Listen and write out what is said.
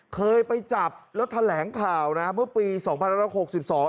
เคยไปจับแล้วแถลงข่าวนะเมื่อปีสองพันร้อยหกสิบสอง